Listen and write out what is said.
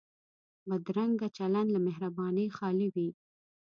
بدرنګه چلند له مهربانۍ خالي وي